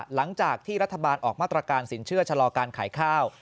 หลังจากที่รัฐบาลออกมาตรการสินเชื่อชะลอการขายข้าว